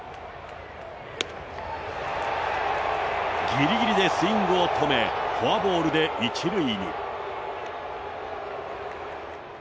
ぎりぎりでスイングを止め、フォアボールで１塁に。